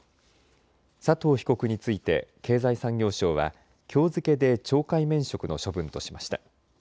佐藤被告について経済産業省はきょう付けで懲戒免職の処分としました。